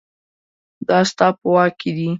دا ستا په واک کې دي